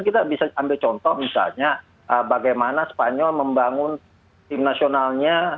kita bisa ambil contoh misalnya bagaimana spanyol membangun tim nasionalnya